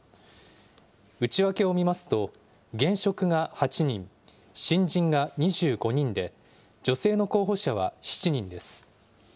内訳を見ますと、現職が８人、新人が２５人で、女性の候補者は７人です。